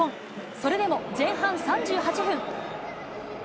それでも前半３８分。